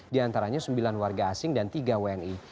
diantaranya sembilan warga asing dan tiga wni